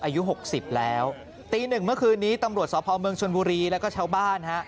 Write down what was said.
อายุหกสิบแล้วตีหนึ่งเมื่อคืนนี้ตำรวจสพเมืองชนบุรีแล้วก็ชาวบ้านฮะ